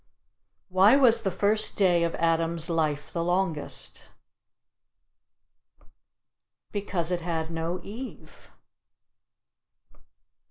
Why was the first day of Adam's life the longest? Because it had no Eve.